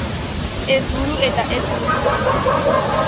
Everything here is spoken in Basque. Ez buru eta ez buztan.